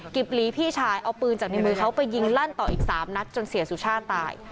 หลีพี่ชายเอาปืนจากในมือเขาไปยิงลั่นต่ออีก๓นัดจนเสียสุชาติตาย